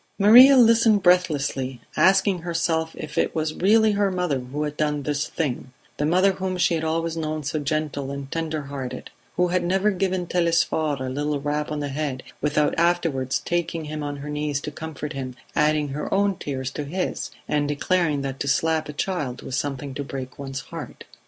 Maria listened breathlessly; asking herself if it was really her mother who had done this thing the mother whom she had always known so gentle and tender hearted; who had never given Telesphore a little rap on the head without afterwards taking him on her knees to comfort him, adding her own tears to his, and declaring that to slap a child was something to break one's heart.